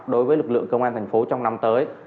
đối với lực lượng công an thành phố trong năm tới